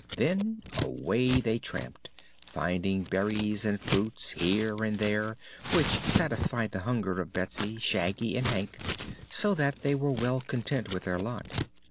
Then away they tramped, finding berries and fruits here and there which satisfied the hunger of Betsy, Shaggy and Hank, so that they were well content with their lot.